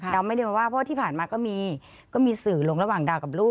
เราไม่ได้มาว่าเพราะที่ผ่านมาก็มีก็มีสื่อลงระหว่างดาวกับลูก